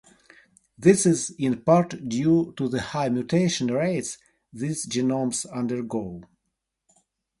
This is in part due to the high mutation rates these genomes undergo.